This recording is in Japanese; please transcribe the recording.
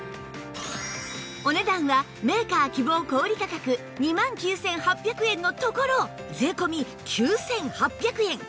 お値段はメーカー希望小売価格２万９８００円のところ税込９８００円！